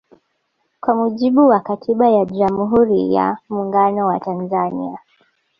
Kwa mujibu wa katiba ya jamhuri ya muungano wa Tanzania